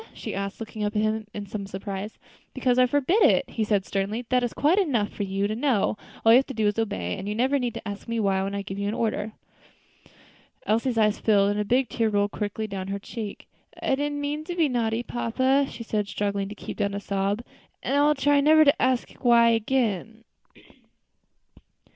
she asked, looking up at him in some surprise. "Because I forbid it," he replied sternly; "that is quite enough for you to know; all you have to do is to obey, and you need never ask me why, when I give you an order." Elsie's eyes filled, and a big tear rolled quickly down her cheek. "I did not mean to be naughty, papa," she said, struggling to keep down a sob, "and I will try never to ask why again."